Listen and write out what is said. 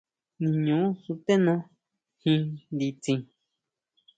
Niño suténa jin nditsin.